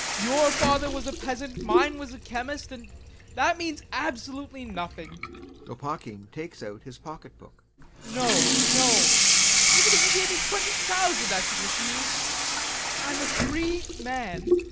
Your father was a peasant, mine was a chemist, and that means absolutely nothing. [LOPAKHIN takes out his pocket book] No, no.... Even if you gave me twenty thousand I should refuse. I'm a free man.